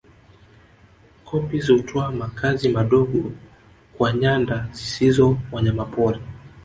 Koppies hutoa makazi madogo kwa nyanda zisizo wanyamapori